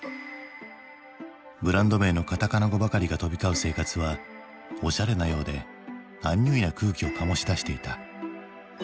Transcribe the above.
ブランド名のカタカナ語ばかりが飛び交う生活はおしゃれなようでアンニュイな空気を醸し出していた。